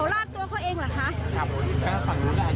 ครับฝั่งนู้นก็อาจจะโดนไปหน่อย